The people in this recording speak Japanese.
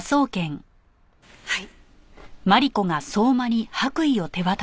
はい。